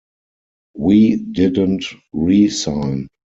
We didn't re-sign.